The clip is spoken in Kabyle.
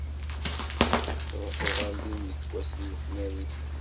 Ttruḥuɣ ar din deg wass n letnayen.